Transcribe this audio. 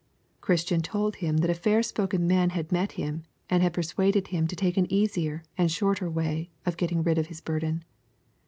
Christian told him that a fair spoken man had met him, and had persuaded him to take an easier and shorter way of getting rid of his burden.